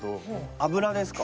油ですか？